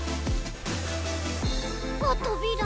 あっとびら。